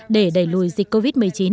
để đẩy lùi dịch covid một mươi chín